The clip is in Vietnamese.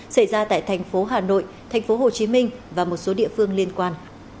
xảy ra tại thành phố hà nội thành phố hồ chí minh và một số địa phương liên quan